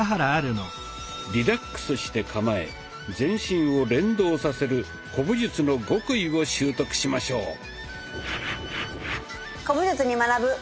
リラックスして構え全身を連動させる古武術の極意を習得しましょう。